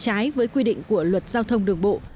trái với quy định của luật giao thông đường bộ